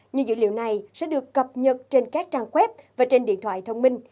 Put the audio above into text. như dữ liệu này sẽ được cập nhật trên các trang web và trên điện thoại thông minh